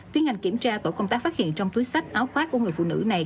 tiến hành kiểm tra tổ công tác phát hiện trong túi sách áo khoác của người phụ nữ này